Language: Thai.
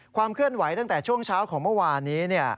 ความเคลื่อนไหวตั้งแต่ช่วงเช้าของเมื่อวานนี้